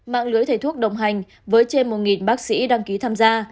mạng lưới thầy thuốc đồng hành với trên một bác sĩ đăng ký tham gia